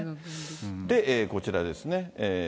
で、こちらですね。